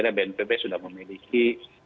saya kira bnpb sudah memiliki